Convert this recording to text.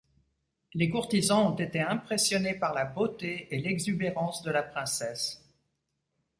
Les courtisans ont été impressionnés par la beauté et l'exubérance de la princesse.